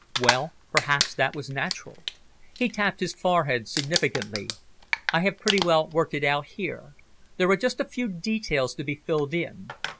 Well, perhaps that was natural. He tapped his forehead significantly. "I have pretty well worked it out here; there are just a few details to be filled in.